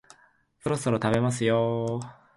そろそろ食べますよ